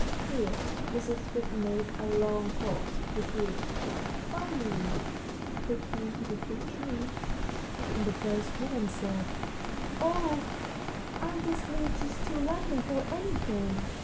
Here Mrs. Fig made a long pause, repeating, "Finally they came to the Fig tree. And the first woman said: 'Oh, aren't these leaves just too lovely for anything!